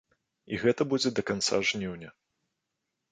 І гэта будзе да канца жніўня.